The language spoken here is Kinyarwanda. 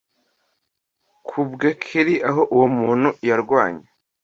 kubw keri aho uwo muntu yarwanye